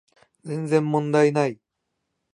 全然問題ない